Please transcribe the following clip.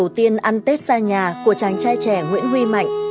đầu tiên ăn tết xa nhà của chàng trai trẻ nguyễn huy mạnh